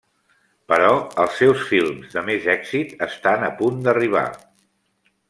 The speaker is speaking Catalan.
Però els seus films de més èxit estan a punt d'arribar.